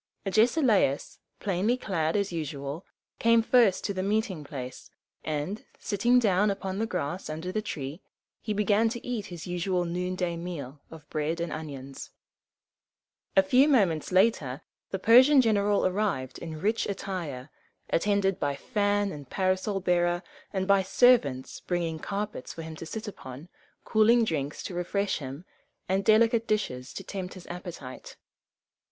Agesilaus, plainly clad as usual, came first to the meeting place, and, sitting down upon the grass under the tree, he began to eat his usual noonday meal of bread and onions. [Illustration: Agesilaus and Pharnabazus.] A few moments later the Persian general arrived in rich attire, attended by fan and parasol bearer, and by servants bringing carpets for him to sit upon, cooling drinks to refresh him, and delicate dishes to tempt his appetite.